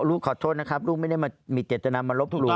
ลูกขอโทษนะครับลูกไม่ได้มามีเจตนามาลบหลู่